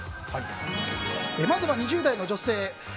まずは２０代の女性。